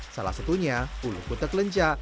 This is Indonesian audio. salah satunya ulu kutek lenca